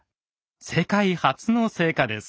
世界初の成果です。